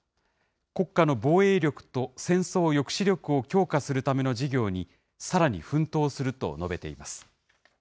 国家の防衛力と戦争抑止力を強化するための事業にさらに奮闘すると述べています。